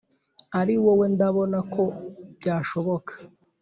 Ari wowe ndabona ko byashoboka!"